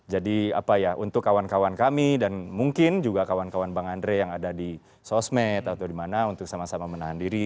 jadi apa ya untuk kawan kawan kami dan mungkin juga kawan kawan bang andri yang ada di sosmed atau dimana untuk sama sama menahan diri